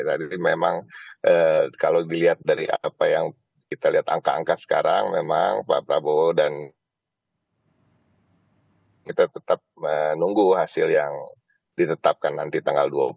jadi memang kalau dilihat dari apa yang kita lihat angka angka sekarang memang pak prabowo dan kita tetap menunggu hasil yang ditetapkan nanti tanggal dua puluh